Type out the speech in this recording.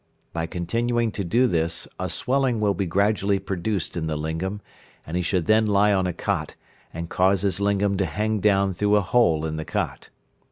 By continuing to do this a swelling will be gradually produced in the lingam, and he should then lie on a cot, and cause his lingam to hang down through a hole in the cot.